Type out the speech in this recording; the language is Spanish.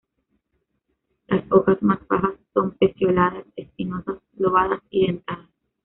Las hojas más bajas son pecioladas, espinosas, lobadas y dentadas.